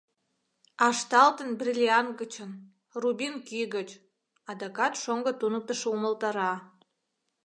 А ышталтын бриллиант гычын, рубин кӱ гыч, — адакат шоҥго туныктышо умылтара.